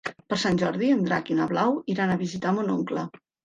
Per Sant Jordi en Drac i na Blau iran a visitar mon oncle.